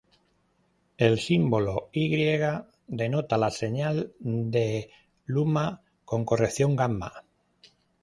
El símbolo Y' denota la señal de luma con corrección gamma.